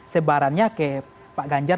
sebarannya ke pak ganjar